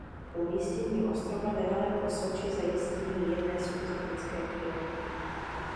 Umístění ostrova nedaleko Soči zajistí mírné subtropické klima.